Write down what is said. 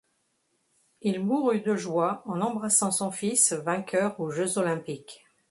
Il mourut de joie en embrassant son fils vainqueur aux jeux olympiques.